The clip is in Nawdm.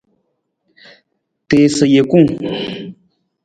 Tiisa jekung.